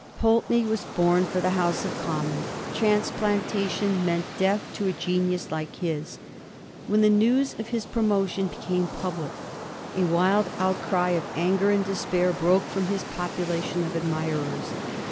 Pulteney was born for the House of Commons : transplantation meant death to a genius like his. When the news of his " pro motion" became public, a wild outcry of anger and despair broke from his population of admirers.